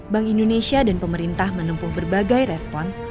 bank indonesia dan pemerintah menempuh berbagai respons